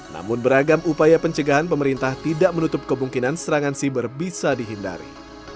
namun beragam upaya pencegahan pemerintah tidak menutup kemungkinan serangan siber bisa dihindari